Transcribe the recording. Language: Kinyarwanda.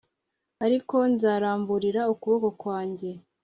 ariko nzaramburira ukuboko kwanjye